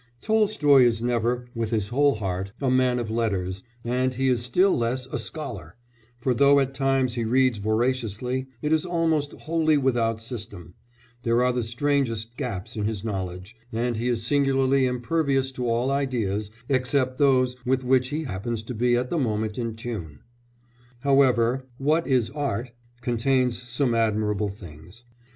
Tolstoy is never, with his whole heart, a man of letters, and he is still less a scholar, for though at times he reads voraciously, it is almost wholly without system; there are the strangest gaps in his knowledge, and he is singularly impervious to all ideas except those with which he happens to be at the moment in tune. However, What is Art? contains some admirable things.